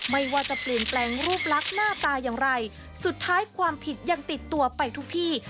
ไม่ว่าจะเปลี่ยนแปลงรูปลักษณ์หน้าตาอย่างไรสุดท้ายความผิดยังติดตัวไปทุกที่